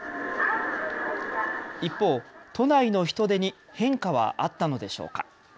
一方、都内の人出に変化はあったのでしょうか。